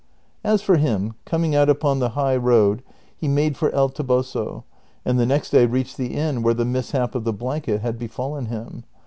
As for him, coming out upon the high road, he made for El Toboso, and the next day reached the inn where the mishap of the blanket had befallen him.